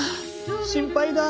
心配だ。